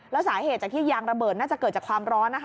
แล้วสาเหตุจากที่ยางระเบิดน่าจะเกิดจากความร้อน